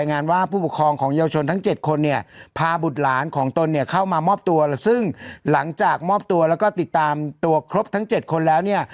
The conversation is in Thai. เนี่ยพาบุตรหลานของตนเนี่ยเข้ามามอบตัวซึ่งหลังจากมอบตัวแล้วก็ติดตามตัวครบทั้งเจ็ดคนแล้วเนี่ย